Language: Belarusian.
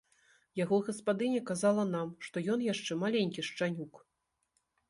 Яго гаспадыня казала нам, што ён яшчэ маленькі шчанюк.